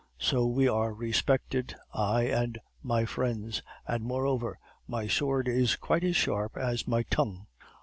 So we are respected I and my friends; and, moreover, my sword is quite as sharp as my tongue.